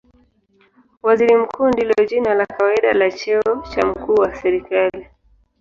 Waziri Mkuu ndilo jina la kawaida la cheo cha mkuu wa serikali.